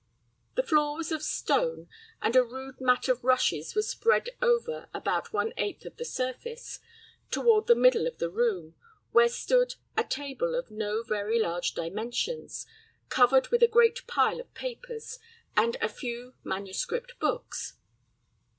The floor was of stone, and a rude mat of rushes was spread over about one eighth of the surface, toward the middle of the room, where stood a table of no very large dimensions, covered with a great pile of papers and a few manuscript books.